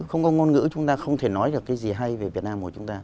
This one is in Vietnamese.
không có ngôn ngữ chúng ta không thể nói được cái gì hay về việt nam của chúng ta